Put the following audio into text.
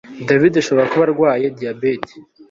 David ashobora kuba arwaye diyabete